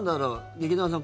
劇団さん